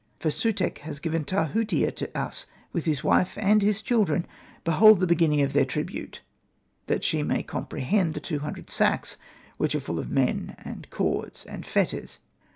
For Sutekh has given Tahutia to us, with his wife and his children ; behold the beginning of their tribute,' that she may comprehend the two hundred sacks^ which are full of men and cords and fetters.''